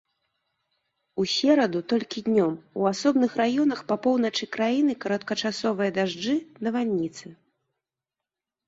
У сераду толькі днём у асобных раёнах па поўначы краіны кароткачасовыя дажджы, навальніцы.